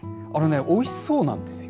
おいしそうなんですよ。